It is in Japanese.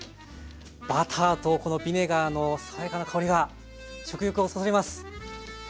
バターとこのビネガーの爽やかな香りが食欲をそそります。